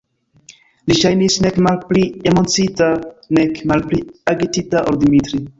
Li ŝajnis nek malpli emociita nek malpli agitita ol Dimitri.